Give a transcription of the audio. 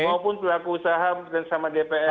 mau pun pelaku usaha bersama dpr